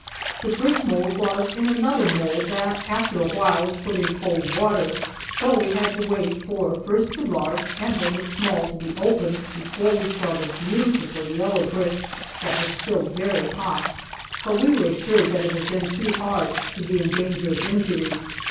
The brick mold was in another mold that after a while was put in cold water, so we had to wait for first the large and then the small to be opened before we saw the beautiful yellow brick that was still very hot, but we were assured that it was then too hard to be in danger of injury.